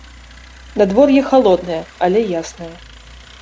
Надвор'е халоднае, але яснае.